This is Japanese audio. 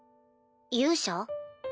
勇者？